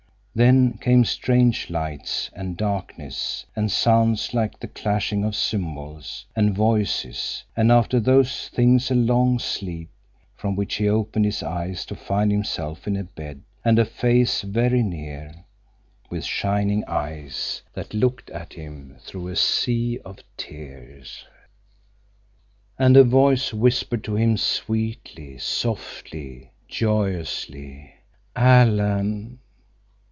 Then came strange lights, and darkness, and sounds like the clashing of cymbals, and voices; and after those things a long sleep, from which he opened his eyes to find himself in a bed, and a face very near, with shining eyes that looked at him through a sea of tears. And a voice whispered to him, sweetly, softly, joyously, "Alan!"